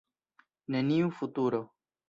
Neniu futuro.